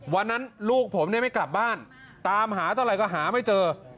วันนั้นลูกผมไม่กลับบ้านตามหาเท่าไหร่ก็หาไม่เจอ